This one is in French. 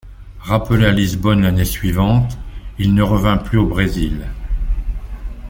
Rappelé à Lisbonne l'année suivante, il ne revint plus au Brésil.